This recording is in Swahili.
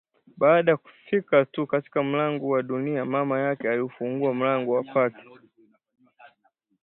Baada kufika tu katika mlango wa dunia mama yake aliufunga mlango wa kwake